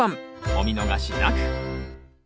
お見逃しなく！